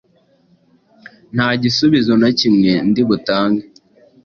nta gisubizo na kimwe ndi butange